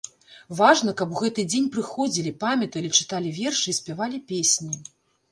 Важна, каб у гэты дзень прыходзілі, памяталі, чыталі вершы і спявалі песні.